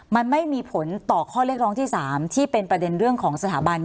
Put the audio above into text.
มันไม่มีผลต่อข้อเรียกร้องที่๓ที่เป็นประเด็นเรื่องของสถาบัน